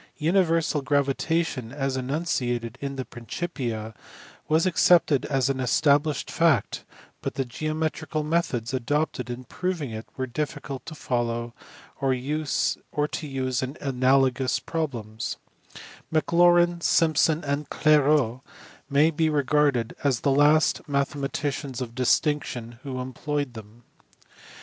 Universal gravitation as enunciated in the Principia was accepted as an established fact, but the geometrical methods adopted in proving it were diffi cult to follow or to use in analogous problems ; Maclaurin, Simpson, and Clairaut may be regarded as the last mathe EULER. 399 maticians of distinction who employed them.